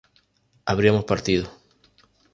habríamos partido